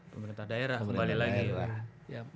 pemerintah daerah kembali lagi